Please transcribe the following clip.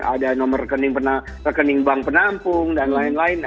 ada nomor rekening bank penampung dan lain lain